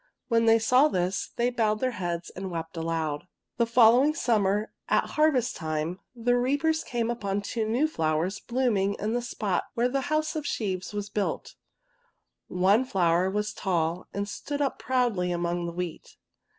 Wlien they saw this, they bowed their heads and wept aloud. CORN FLOWER AND POPPY 167 The following summer at harvest time the reapers came upon two new flowers blooming in the spot where the house of sheaves was built. One flower was tall, and stood up proudly among the wheat.